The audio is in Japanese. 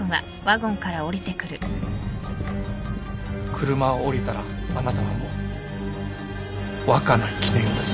車を降りたらあなたはもう若菜絹代です。